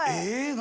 何？